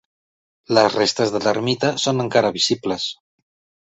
Les restes de l'ermita són encara visibles.